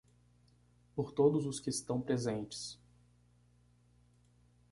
Por todos os que estão presentes.